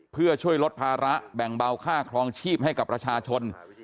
เพื่อช่วยลดภาระแบ่งเบาค่าครองชีพให้กับประชาชน